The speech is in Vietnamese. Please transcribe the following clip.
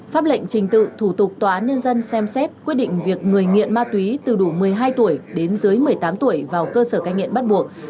pháp lệnh trình tự thủ tục tòa án nhân dân xem xét quyết định việc người nghiện ma túy từ đủ một mươi hai tuổi đến dưới một mươi tám tuổi vào cơ sở cai nghiện bắt buộc